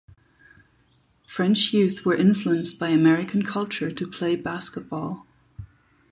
French youth were influenced by American culture to play basketball.